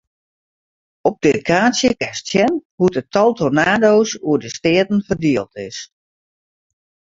Op dit kaartsje kinst sjen hoe't it tal tornado's oer de steaten ferdield is.